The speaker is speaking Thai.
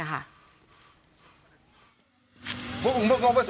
ถอยมาสิ